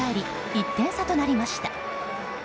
１点差となりました。